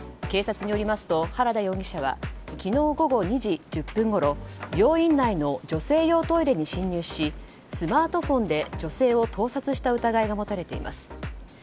警察によりますと原田容疑者は昨日午後２時１０分ごろ病院内の女性用トイレに侵入しスマートフォンで女性を盗撮した疑いが持たれています。